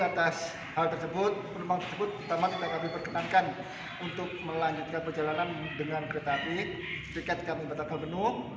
atas hal tersebut pertama kita berkenankan untuk melanjutkan perjalanan dengan kereta api